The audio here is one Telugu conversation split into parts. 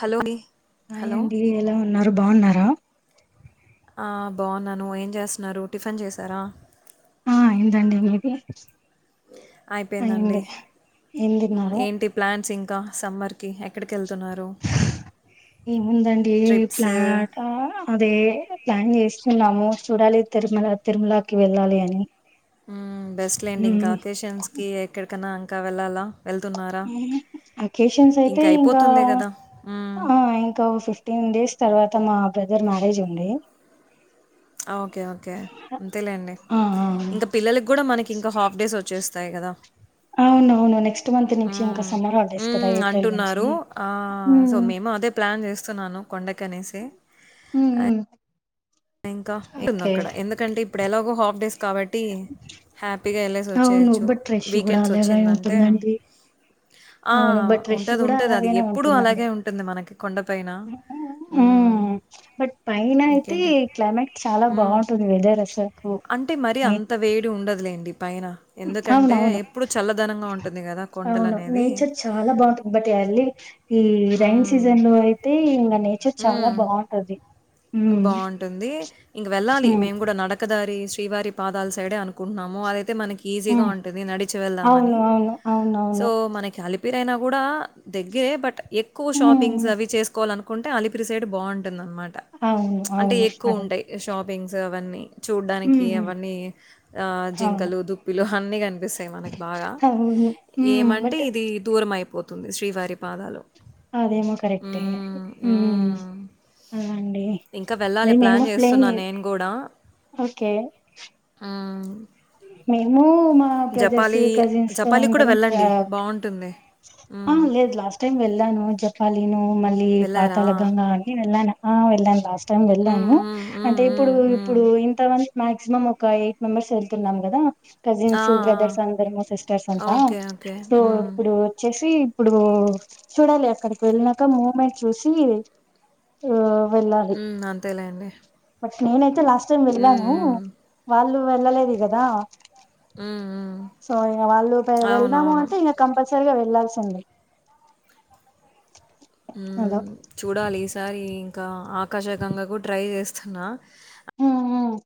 హలో అండి హాయ్ హలో అండి ఎలా ఉన్నారు బాగున్నారా బాగున్నాను ఏం చేస్తున్నారు టిఫిన్ చేశారా అయిందండీ మీది అయిపోయింది అయింది అండి ఏం తిన్నారు యాంటీ ప్లాన్స్ ఇంకా సమ్మర్ కి ఎక్కడి ఏముందండి ట్రిప్స్ ప్లా అదే ప్లాన్ చేసి చేస్తున్నాము చూడాలి తిరుమల తిరుమలాకి వెళ్ళాలి అని ఉ బెస్ట్ లేండి ఇంకా మ్మ్. అకేషన్స్ కి ఎక్కడికన్నా ఇంకా వెళ్ళాలా వెళ్తున్నారా అకేషన్స్ అయితే ఇంకా అయిపోతుంది కదా మ్, ఆ ఇంకా ఫిఫ్టీన్ డేస్ తర్వాత త మా బ్రదర్ మ్యారేజ్ ఉంది ఓకే ఓకే అంతేలేండి ఆ ఆ. ఇంకా పిల్లలకి కూడా మనకి ఇంకా హాఫ్ డేస్ వచ్చేస్ స్తాయి కదా అవునువును నెక్స్ట్ మంత్ ఆ నుంచి ఇంకా సమ్మర్ హాలిడేస్ ఉ కదా ఏప్రిల్ నుంచి అంటున్నారు సో ఉమ్ మేము అదే ప్లాన్ చేస్తున్నాను కొండకనేసి ఉమ్ ఉమ్ ఇంకా అయింది అక్కడ ఎందుకంటే ఇప్పుడు ఎలాగో హాఫ డేస్ కాబట్ ట్టి హ్యాపీగా వెళ్ళేసి అవును వచ్చేయచ్చు బట్ రష్ కూడా వీకెండ్స్ అలాగే వచ్చిందంటే ఉంటుందండి ఆ అవును బట్ రష్ ఉంటుంది కూడా ఉంటుంది అది అలాగేనే ఎప్పుడు ఉంటుందండి. అలాగే ఉంటుంది మనకి కొండపైనా హ్మ్ బట్ పైన అయితే ఇంకేంటి క్లైమేట్ చాలా హ్మ్. బాగుంటుంది వెదర్ అసల్కూ అంటే మరీ అంత వేడి ఉండదులెండి పైన. ఎందుకంటే అవునవును ఎప్పుడూ చల్లదనంగా ఉంటుంది గదా! అవును కొండలనేది. నేచర్ చాలా బాగుంటది బట్టి ఎర్లీ ఈ రైన్ హ్మ్. సీజన్ లో అయితే ఇంకా నేచర్ చాలా బాగుంటది బాగుంటుంది ఇంక వెళ్ళాలి హ్మ్. మేము కూడా నడక కదారి శ్రీవారి పాదాల సైడే అనుకుంటున్నాము అద తే మనకి ఈజీగా హ్మ్. ఉంటుంది నడిచి వెళ్దాం అవును. అని అవును. సో అవునవును. మనకి అలి పిరైనా కూడా దగ్గే బట్ ఎక్కువ షాపింగ్స్ హ్మ్. అవి చేసుకోవాలను కొంటే అలిపిరి సైడ్ బాగుంటుంది అనమాట్ అవును అవును అదే పింగ్స్ అవన్నీ హ్మ్. చూడ్డానికి హ్మ్. అవన్నీ అవును. జింకలు దుప్పిలు అన్నీ కనిపిస్తాయి మనకి బాగా అవును. హ్మ్. ఏమంటే బట్ ఇది దూరం అయిపోత్ తుంది శ్రీవారి పాదాలు అదేమో కరెక్టే హ్మ్. హ్మ్. అండి. ఇంకా వెళ్ళాలి అది ప్లాన్ మేము ప్లేన్ చేస్తున్నా నేను కూడా ఓకే ఉహ్ మేము మా బ్రదర్స్ కజిన్స్ తో జపాలికి కూడా అందరం వెళ్ళండి బాగుంటుంది ఆ మ్మ్. లేదు లాస్ట్ టైం వెళ్ళాను జపాలిను మళ్ళీ వెళ్ళారా పాతాల గంగా ఆ అన్ని వెళ్ళాను వెళ్ళాను లాస్ట్ టైం మ్మ్, వెళ్ళాను మ్మ్, మ్మ్, అంటే ఇప్పుడు మ్మ్, మ్మ్. ఇప్పుడు ఇంతమంది మాక్సిమం ఒక ఎయిట్ మెంబెర్స్ తిన్నాం కదా ఆ, కజిన్స్ ఆ. బ్రదర్స్ అందరము సిస్టర్స్ అంతా ఓకే ఓకే సో మ్మ్. ఇప్పుడు వచ్చేసి ఇప్పుడు చూడాలి అక్కడికి వెళ్ళినాక మూమెంట్ చూసి ఆ వెళ్ళాలి మ్మ్ అంతేలేండి నేనైతే లాస్ట్ స్ట్ మ్మ్, మిగిలాను మ్మ్. వాళ్లు వెళ్ళలేదు ఇగ రా మ్మ్, మ్మ్. సో ఇంగ వాళ్ళు పే వెళ్దము అవునవును అంటే ఇంగ కంపల్ సరిగా వెళ్ళాల్సింది హ్మ్ చూడాలి ఈస్ దాయి ఇంకా ఆ కషగంగాకు ట్రై చేస్త వస్తున్నా హ్మ్ మ్మ్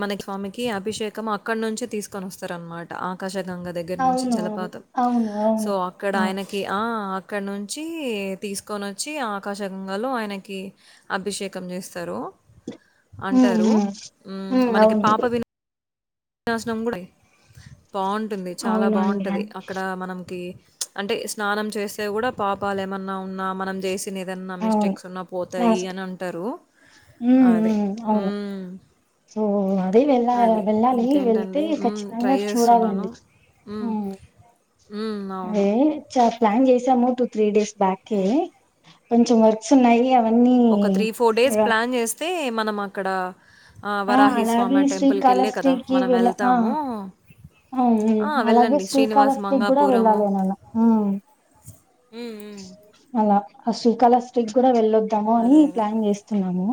మన స్వామికి అభిషేకం అక్కడ నుంచి తీసుకొని వస్తార అన్నమాట ఆకాశ గంగ దగ్గర నుంచి అవును జలపాతం అవును అవును సో అక్కడ అవును ఆయనకి ఆ అక్కడ నుంచి తీసుకొని వచ్చి ఆకాశ గంగలో ఆయనకి అభిషేకం చేస్తారు హ్మ్ మ్మ్ మనకి పాప వి వినాశం కూడా బాగుంటుంది చాలా అవునండి బాగుంటది అన్ అక్కడ మనకి అంటే స్నానం చేస్తే కూడా పాపాలు ఏమన్నా ఉన్నా మనం చేసి తను ఏదన్నా అవును అవును మిస్టేక్స్ ఉన్నా పోతాయి లాస్ట్ అని అంటారు అదే హ్మ్ హ్మ్ అది వెళ్ళ అది. వెళ్ళాలి వెళ్తే ఇంకేంటండి హ్మ్. ఖచ్చితంగా ట్రై జేస్తున్నాను. చూడాలండి హ్మ్ హ్మ్. అవును. అదే ప్లాన్ చేసాము టూ త్రీ డేస్ బాక్ కి కొంచెం వర్క్స్ ఉన్నాయి అవన్నీ ఒక త్రీ ఫోర్ డేస్ ర- ప్లాన్ చేస్ స్తే మనం అక్కడ ఆహ్, ఆ వరాహి అలాగే స్వామి టెంపుల్‌కెళ్ళే కదా! శ్రీకాళహస్తికి మనం వెళ్ళ ఆ ఎళ్తాము. ఆ! అలాగే వెళ్ళండి. శ్రీనివాస్ శ్రీకాళశ్రీకి కూడా మంగాపురము. వెళ్ళాలి అనిలా హ్మ్. హ్మ్. అలా ఆ శ్రీకాళహస్తి కూడా వెళ్ళద్దు మో అని అదే. ప్లాన్ చేస్తున్నాము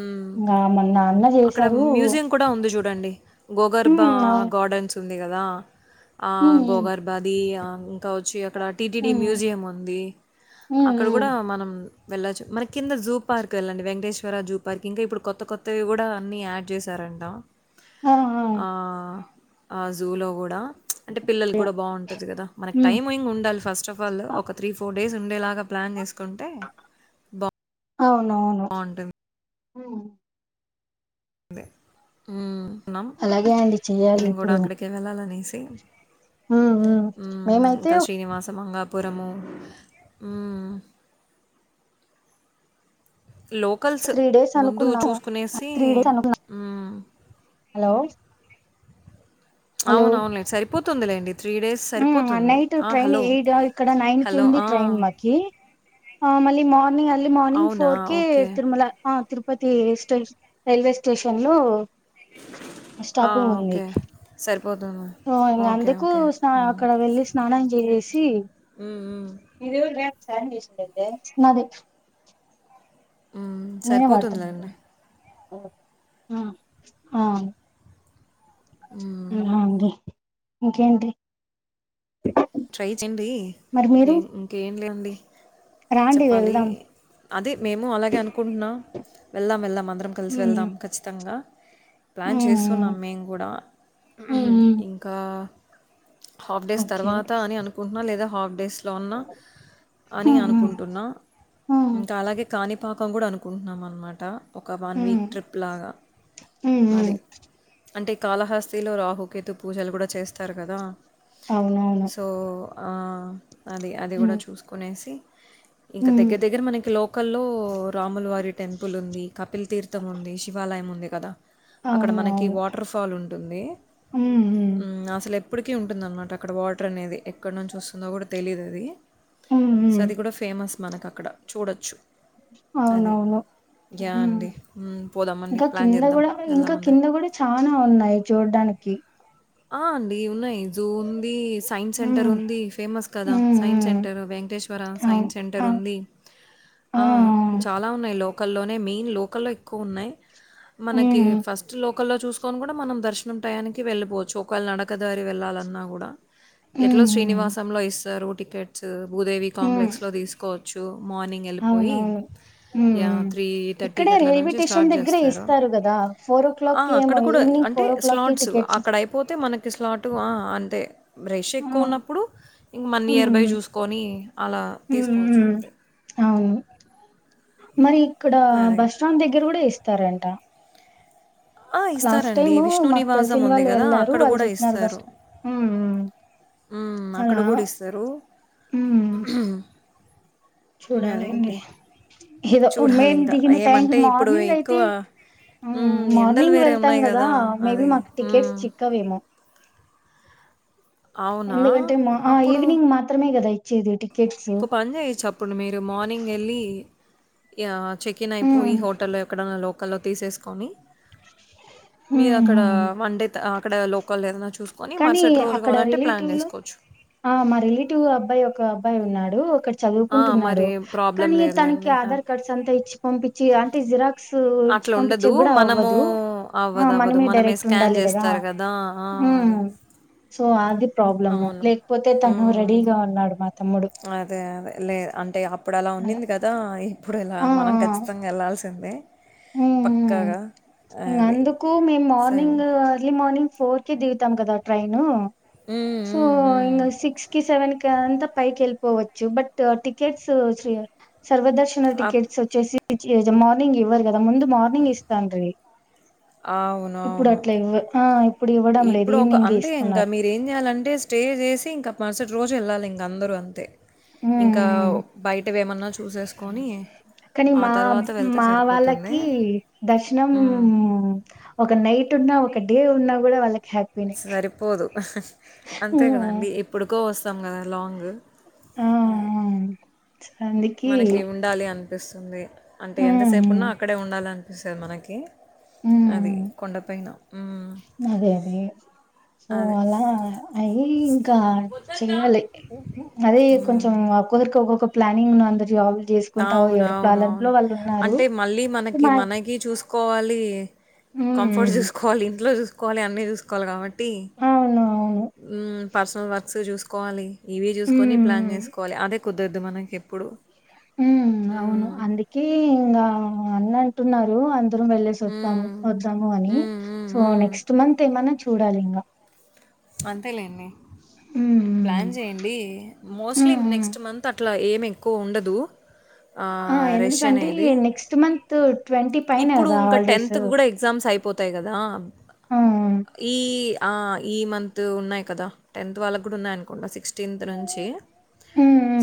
ఉమ్ ఇంకా మొన్న అన్న అక్కడ చేశారు మ్యూజియం కూడా ఉంది చూడండి గోగర్భ ఉమ్ అవును గార్డెన్స్ స్తుంది కదా ఆ ఉమ్ ఉమ్ గోగార్బాది ఇంకా వచ్చి అక్కడ టీటీడి మ్యూజియం ఉంది ఉమ్ అక్కడ ఉమ్ కూడా మనం వెళ్ళొచ్చు మన కింద జూ పార్క్ వెళ్ళండి వెంకటేశ్వర జూ పార్కింగ్ ఇప్పుడు కొత్త కొత్తవి కూడా అన్ని యాడ్ చేశారంట ఆ ఆ జూ లో కూడా అంటే పిల్లలు కూడా బాగుంటది కదా మనకి ఉమ్ టైం ఇంగ్ ఉండాలి ఫస్ట్ ఆఫ్ ఆల్ ఒక త్రీ ఫోర్ డేస్ ఉండేలాగా ప్లాన్ చేసుకుంటే బాగు అవునవును ఉమ్ దే ఉమ్ అలాగే అండి చెయ్యాలి ఇప్పుడు ఏ ఉమ్ ఉమ్ మేమైతే ఇంకా ఒక శ్రీనివాస్ శమంగాపురము ఉమ్ లోకల్స్ త్రీ డేస్ ముందు అనుకున్నాము చూసుకునేసి త్రీ డేస్ అనుకున్నా ఉమ్ హలో హలో అవును అవునులే సరిపోతు తందలేండి ఉమ్ నైట్ ట్రైన్ ఎయిట్ ఇక్కడ నైన్ కి హలో. ఉంది ఆ! ట్రైన్ మాకి ఆ మళ్ళీ మార్నింగ్ అ ఆర్లీ మార్నింగ్ అవునా? ఫోర్ క ఓకే. తిరుమల ఆ తిరు తిరుపతి స్టే రైల్వే స్టేషన్ లో ఆ! స్టాపింగ్ ఉంది ఓకే. సరిపోతుంది. హా ఇంకా ఓకే. అందుకు ఓకే. స్నా అక్కడ వెళ్ళి స్నానం జ రసి ఉమ్ ఉ సరే మీ ఇష్టం అయితే నాది ఉమ్ సరిపోతుందిలేండి ఆ ఆ హ్మ్. ఆ అండి ఇంకేంటిీ ట్రై చెయండి నేను ఇంకేం లేవండి [inaudible] రాండి చెప్పాలి వెళ్దాం అదే మేము అలాగే అనుకుంటున్నా వెళ్దాం వెళ్దాం అందరం కలిసి మ్మ్ వెళ్దాం ఖచ్చితంగా ప్లాన్ చేస్తున్నాం మ్మ్ మేము కూడా మ్మ్ ఇంకా హాఫ్డేస్ ఓకే తర్వాత్ అని అకుంటున్నా లేదా హా డేస్ అన్నా అని మ్మ్ అనుకుంటున్నా మ్మ్ ఇంకా అలాగే కానీ పాకం కూడ అనుకుంటున్నాం అనమాట ఒక వన్ వీక్ మ్మ్ ట్రిప్ లాగా మ్మ్ అది అంటే ఈ కాళహస్తిలో రాహుకేతు పూజలు కూడా చేస్తారు కదా అవునవును ఆ అది అది కూడ మ్మ్ చూసుకునేసి ఇంకా మ్మ్ దగ్గర దగ్గర మనకి లోక్ కల్లో రాముల వారి టెంపుల్ ఉంది కపిల్ తీర్థం ఉంది శివాలయం ఉంది కదా అక్కడ మనకి అవునవును వాటర్ ఫాల్ ఉంటుంది మ్మ్ మ్మ్ ఉమ్ అసలు ఎప్ ఎప్పటికీ ఉంటుందన్నమాట అక్కడ వాటర్ అనేది ఎక్కడ నుంచి వస్తుందో కూడా తెలీదు అది మ్మ్ సో మ్మ్ అది కూడా ఫేమస్ మనక్ అక్కడ చూడచ్చు అవునవును యాహ్! ఉమ్ అండి. హ్మ్. పోదామండి. ఇంకా ప్లాన్ కింద జేద్దాం. కూడా ఇంకా వెళ్దామందరం. కింద కూడా చానా ఉన్నాయి చూడ్డానికి ఆ అండి ఉన్నాయి జూ ఉందీ సైన్స్ ఉమ్ సెంటర్ ఉందీ ఫేమస్ కదా ఉమ్ సైన్స్ ఉమ్. సెంటర్ వెేంకటేశ్వర అవు సైన్స్ సెంటర్ అవు ఉంది ఆ చాలా ఉన్నాయి లోక్ కల్లోనే మెయిన్ లోకల్లో ఎక్కువ ఉన్నాయి మనకి ఉమ్ ఫస్ట్ లో ల్లో చూసుకొని కూడా మనం దర్శనం టయానికి వెళ్ళిపోవ చ్చు ఒకవేళ నడకదారి వెళ్ళాలన్నా కూడా ఎట్లో ఉమ్ ఉమ్ శ్రీనివాసంలో ఇస్తారు టికెట్సు భూదేవి ఉమ్ కాంప్లెక్స్ లో తీసుకోవచ్చు మార్నింగ్ ఎళ్ళిపోయి అవునవును ఉమ్ యా ఉమ్ త్రీ థర్టీకి ఇక్కడే అట్లా రైల్వే నుంచి స్టార్ట్ స్టేషన్ దగ్గరే చేస్తారు ఇస్తారు కదా ఫోర్ ఓ ఆ క్లాక్ కి అక్కడ ఏమో కూడా ఈవినింగ్ అంటే ఫోర్ ఓ క్లాక్ కి స్లాట్స్ అ టికెట్స్ పోతే మనకి స్లాటు ఆ అంతే రష్ ఆ ఎక్కువున్నప్పుడు ఇంక మన ఉమ్ నియర్ బై చూసుకొనీ అలా ఉమ్ తీసుకోవచ్చు ఉమ్ అంతే అవును మరి ఇక్కడ అదే. బస్ స్టాండ్ దగ్గర కూడా ఇస్ తరంట ఆ! లాస్ట్ ఇస్తారండి. టైమ్ విష్ణు మాకు నివాసం తెలిసిన ఉంది వాళ్ళు గదా! వెళ్ళారు అక్కడ వాళ్ళు చెప్పినారు బస్టా ఉమ్ ఉమ్ ఉమ్ అక్కడ అలా కూడా ఇస్తారు ఉమ్ అదే చూడాలండి అండి. ఏదో మేము చూడాలింకా. దిగిన టైంకి ఏమంటే ఇప్పుడు మార్నింగ్ అయితే ఎక్కువ ఉమ్ హ్మ్. ఎండలు మార్నింగ్ వేరే వెళ్తాం ఉన్నాయి కదా గదా! మే బి అదే. మాకు టికెట్స్ హ్మ్. చిక్కవేమో అవునా? ఎందుకంటే మా ఆ అప్పుడు ఈవినింగ్ మాత్రమే కదా ఇ ఇచ్చేది టి ఒక పని చేయచ్చు అప్పుడు మీరు మార్నింగ్ ఎళ్ళి యా చెక్ ఇన్ ఉమ్ అయిపోయి హోటల్లో ఎక్కడన్నా లో కల్లో తీసేస్ కొని ఉమ్ మీరక్కడ ఉమ్. వన్ డే త అక్కడ లోకల్ ఏదన్నా చు కానీ అక్కడ రియలేటివ్ లు ఆ మా రిలేటివ్ అబ్బాయి ఒక అబ్బాయి ఉన్నాడు ఒక ఆ! చదువుకుంటున్నాడు మరి ప్రాబ్లమ్ కానీ తనకి లేదులెండి. హ్యాప్ ఆధార్ కార్డ్స్ అంతా ఇచ్చి పంపిచచి టి జిరాక్ అట్లా ఉండదు మనము ఆ అవ్వదు అవ్వదు మనమే డైరెక్ట్ స్కాన్ ఉండాలి చేస్తారు కదా ఆ అదే ఉమ్ సో అది ప్రాబ్లము అవును. లేకపోతే తను హ్మ్. రెడీగా ఉన్నాడు మాత్ అదే అదే లే అంటే అప్పుడు అలా ఉండింది కదా ఇప్పుడు ఇలా ఆ ఆ మనం ఖచ్చితంగా ఎళ్ళాల్సిందే ఉమ్ మ్ ఇగ అది అందుకు మేం same morning early morning four కి దిగుతాం కదా ట్రైన్ హ్మ్, సో హ్మ్, హ్మ్. ఇంగ సిక్స్ కి సెవెన్ క్ అంతా పైకి వెళ్ళిపోవచ్చు బట్ టికెట్స్ సర్వదర్శనం అప్- టికెట్స్ వచ్చేసి మార్నింగ్ ఇవ్వరు కదా ముందు మార్నింగ్ ఇస్తాండ్రి అవును ఇప్పుడు అవును అట్లా ఇవ్వరూ ఇప్పుడు ఒక అంతే ఇంకా మీరు ఏం చెయాలంటే స్టే చేసి ఇంకా మరుస రోజు వెళ్ళాలి ఇక అందరూ అంతే హ ఇంకా బయటవి ఏమన్నా చూసేసుకొని కాని ఆ మా తర్వాత వెళ్తే మా సరిపోతుంది వాళ్ళకి దర్శనం మ్మ్. ఒక నైట్ ఉన్న గడ్డీ ఉన్నా కూడా వాళ్ళకి హ్యాపీనే. సరిపోదు అంతే హ్మ్. కదండి ఎప్పుడుకో వస్తు గద లాంగ్ ఆ అందుకి మనకి ఉండాలి అంతే స్తుంది అంటే ఎంతసేపు ఉన్నా హ్మ్. అక్కడే ఉండాలంటే సార్ మనకి అది హ్మ్. కొండ ఫైన అదే అది సో అది అలా అయిి ఇంకా చెయ్యాలి అది మ్మ్. కొంచెం ఒక్కొక్కరికి ఒక్కొక్క ప్లానింగ్ ను అందరి జ అవున అవును అవును అంటే మళ్ళీ మనకి మా మనకి చూసుకోవాలి కంఫర్ట్ హ్మ్. చూసుకోవాలి ఇంట్లో చూసుకో చూసుకోవాలి అన్ని చూసుకోవాలి కాబట్టి అవునవును. ఉమ్ పర్సనల్ వర్కస్ చూసుకోవాలి కాబట్టి కోవాలి ఇవి చూసుకొని ప్లాన్ హ్మ్. చేసుకోవాలి అదె కుదరదు మనకి ఇప్పుడు హ్మ్. అవును అందుకే అన్న అంటున్నారు అ ఇద్ధరం వెళ్ళె సి వద్దాం మ్మ్. వద్దాం అని మ్మ్. మ్మ్. సో మ్మ్. నెక్ట్స్ మంత్ ఎమన్న చూడాలి ఇంకా అంతేలేండి ప్లాన్ హ్మ్. చేయండి మోస్ట్ ది హ్మ్. హ్మ్. హ్మ్. నెక్ట్స్ మంత్ అట్లా ఏ కో ఉండదు ఆ రష్ ఎందుకంటే అనేది నెక్స్ట్ మంత్ పైన ఇప్పుడు గదా ఇంకా హాలిడేస్. టెన్త్ కి కూడా ఎగ్జామ్స్ అయిపో వతాయి కదా ఆ! హ్మ్. ఈ ఆ ఈ మంన్ త్ ఉన్నాయి కదా టెన్త్ వాళ్ళ కూడా ఉన్నాయి అనుకుంట సిక్ టీన్ నుంచి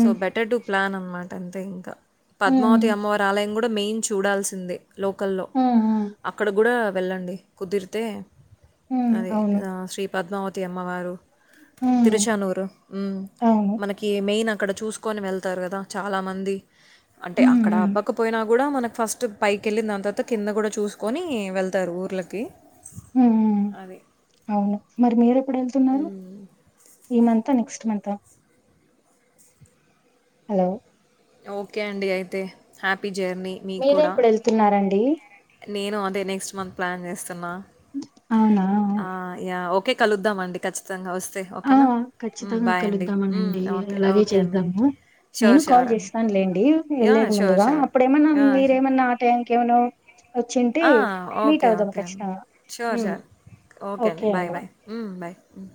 సో బెటర్ డు ప్లాన్ అన్ మాట అంతే ఇంకా పద్మావతి హ్మ్. అమ్మవారి ఆలయం కూడ్ డా మెయిన్ చూడాల్సిందే లోకల్లో హ్మ్. హ్మ్. అక్కడ గూడ వెళ్ళండి కుదిరితే హ్మ్. అదే అవును. శ్రీ పద్మావత్ తి అమ్మవారు హ్మ్. తిరుచానూరు హుం అవును. మనకి మెయిన్ క్కడ చూసుకొని వెళ్తారు కదా చాలా మంది అంటే హ్మ్. అక్కడ హ్మ్. అబ్్వకపోయినా కూడా మన ఫస్ట్ పై కెళ్ళి దాన్ తర్వాత కింద కూడా చూసుకొని ని వెళ్తారు ఊర్లకి ఉమ్ అది అవును మరి మీరు ఎ ప్పుడు వెళ్తున్నారు ఈ మంతా నెక్స్ మంతా హలో ఓకే అండి అయితే హ్యాపీ జర్నీ మీకు మీరే కూడా ఎప్పుడు వెళ్తున్నారన్ డి నేను అదే నెక్స్ట్ మంత్ ప్లాన్ చేస్తున్నా అవునా! ఆ ఇగ ఓ కే కలుద్దామండి కచ్చితంగా వస్ ఆ ఖచ్చితంగా హ్మ్. కలుద్దామనండి ఓకే. అలాగే ఓకే అండి. చేద్దాము నేను ష్యూర్. కాల్ ష్యూర్ అండి. చేస్తానులేండి యాహ్! వెళ్లేది ష్యూర్. ముందుగా ష్యూర్. అప్పుడేమన్నా యాహ్! మీరేమన్నా ఆ టైం కే మనో ఆ ఓకే ఓకే అండి ఖచ్చితంగా. షుర్ హ్మ్. షుర్ ఓకే అండి బాయ్ బయ్ హ్మ్ బాయ్ మ్